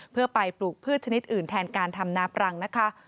เพื่อไปปลูกพืชชนิดอื่นแทนการทำนาปรังนะคะ